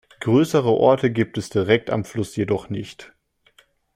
Größere Orte gibt es direkt am Fluss jedoch nicht.